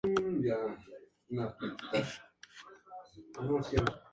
El estilo arquitectónico predominante es el churrigueresco barroco.